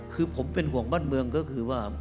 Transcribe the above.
คือผมเป็นห่วงบ้านเมืองก็คือว่า